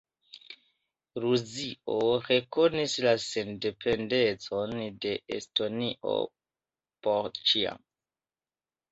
Rusio rekonis la sendependecon de Estonio "por ĉiam".